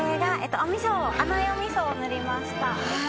甘いおみそを塗りました。